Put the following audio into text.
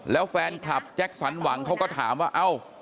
แล้วแฟนคลับแจ็คสันหวังเขาก็ถามว่าเอ้า